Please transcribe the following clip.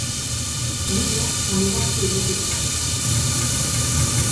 William també va estudiar literatura russa.